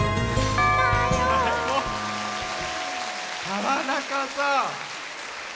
川中さん。